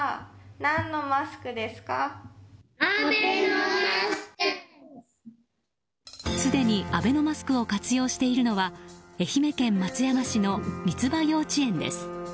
すでにアベノマスクを活用しているのは愛媛県松山市の三葉幼稚園です。